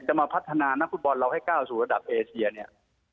มาพัฒนานักฟุตบอลเราให้ก้าวสู่ระดับเอเชียเนี่ย